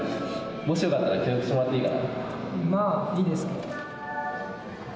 もしよかったら、協力してもらっていいかな？